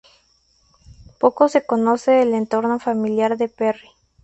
Poco se conoce del entorno familiar de Perry.